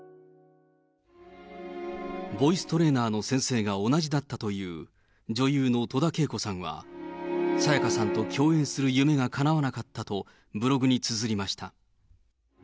ボイストレーナーの先生が同じだったという女優の戸田恵子さんは、沙也加さんと共演する夢がかなわなかったと、ブログにつづりました。